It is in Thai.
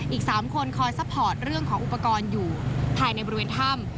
อีก๓คนคอยซัพพอร์ตเรื่องของอุปกรณ์อยู่ภายในบริเวณถ้ำ